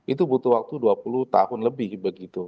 itu butuh waktu dua puluh tahun lebih begitu